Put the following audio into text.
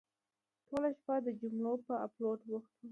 ټوله شپه د جملو په اپلوډ بوخت وم.